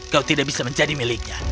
kau tidak bisa menjadi miliknya